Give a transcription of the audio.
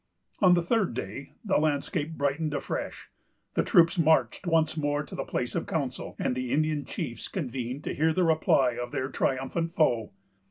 On the third day, the landscape brightened afresh, the troops marched once more to the place of council, and the Indian chiefs convened to hear the reply of their triumphant foe.